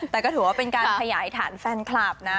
แต่ก็ถือว่าเป็นการขยายฐานแฟนคลับนะ